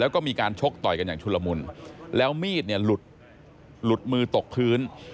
ก็มีการชกต่อยกันอย่างชุดละมุนแล้วมีดหลุดมือตกพื้น